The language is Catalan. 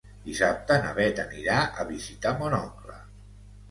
Dissabte na Beth anirà a visitar mon oncle.